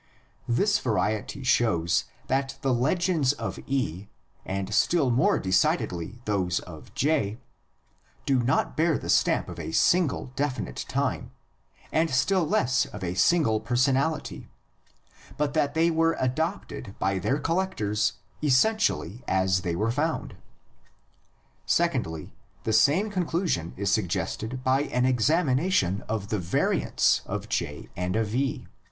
This variety shows that the legends of E, and still more decidedly those of J, do not bear the stamp of a single definite time and still less of a single person ality, but that they were adopted by their collectors essentially as they were found. Secondly, the same conclusion is suggested by an examination of the variants of J and of E.